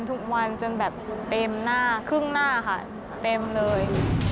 ทุกวันจนแบบเต็มหน้าครึ่งหน้าค่ะเต็มเลย